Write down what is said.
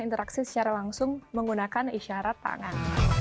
interaksi secara langsung menggunakan isyarat tangan